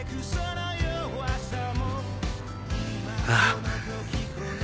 ああ。